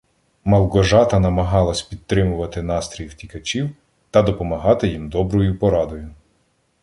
Малґожата намагалась підтримувати настрій втікачів та допомагати їм доброю порадою.